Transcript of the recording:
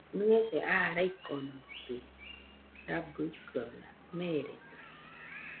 Nɨese aa raikonoitɨ rabɨkɨaɨna, merede